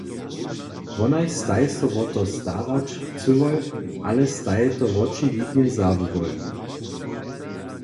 Wonaj staj so wo to starać chcyłoj, ale staj to wočiwidnje zabyłoj.